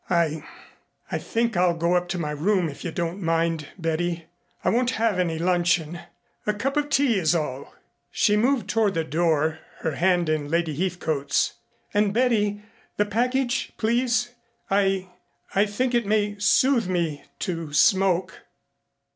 "I I think I'll go up to my room if you don't mind, Betty. I won't have any luncheon. A cup of tea is all." She moved toward the door, her hand in Lady Heathcote's. "And Betty the package, please I I think it may soothe me to smoke."